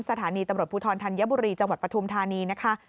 สถานีตำรวจภูทรธัญบุรีจังหวัดปฐุมธานีนะคะ